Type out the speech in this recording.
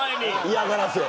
嫌がらせや。